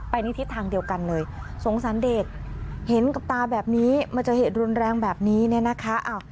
ในทิศทางเดียวกันเลยสงสารเด็กเห็นกับตาแบบนี้มาเจอเหตุรุนแรงแบบนี้เนี่ยนะคะ